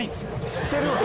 「知ってるわ！」